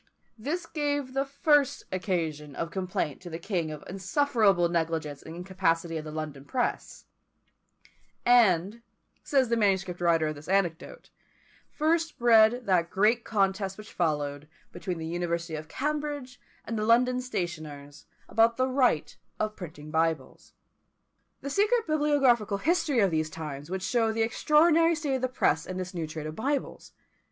This gave the first occasion of complaint to the king of the insufferable negligence and incapacity of the London press: and, says the manuscript writer of this anecdote, first bred that great contest which followed, between the University of Cambridge and the London stationers, about the right of printing Bibles. The secret bibliographical history of these times would show the extraordinary state of the press in this new trade of Bibles.